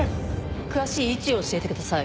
詳しい位置を教えてください。